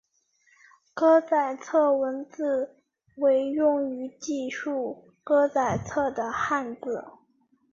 歌仔册文字为用于记述歌仔册的汉字。